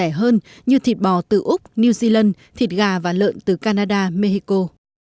các sản phẩm nhập khẩu rẻ hơn như thịt bò từ úc new zealand thịt gà và lợn từ canada mexico